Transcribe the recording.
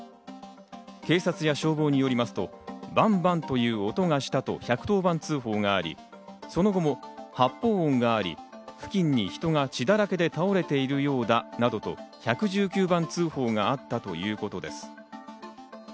警察や消防によりますとバンバンという音がしたと１１０番通報があり、その後も発砲音があり、付近に人が血だらけで倒れているようだなどと１１９番通報があったということです。